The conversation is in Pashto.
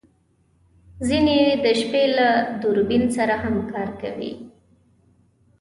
ځینې یې د شپې له دوربین سره هم کار کوي